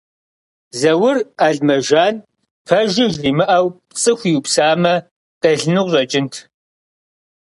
Зэур Алмэжан пэжыр жримыӏэу пцӏы хуиупсамэ, къелыну къыщӏэкӏынт.